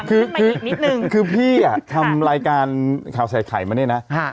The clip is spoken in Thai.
ขึ้นมาอีกนิดนึงคือพี่อ่ะทำรายการข้าวใส่ไข่มานี่นะฮะ